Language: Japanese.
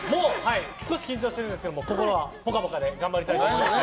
少し緊張してるんですけど心はポカポカで頑張りたいと思います。